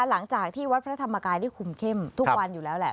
หลังจากที่วัดพระธรรมกายได้คุมเข้มทุกวันอยู่แล้วแหละ